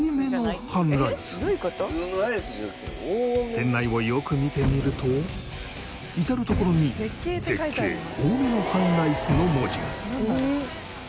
店内をよく見てみると至る所に「絶景多めの半ライス」の文字が。